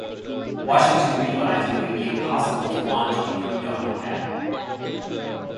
Washington realized it would be impossible to launch a pre-dawn attack.